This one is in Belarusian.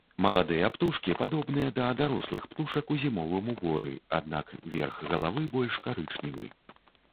Маладыя птушкі падобныя да дарослых птушак у зімовым уборы, аднак, верх галавы больш карычневы.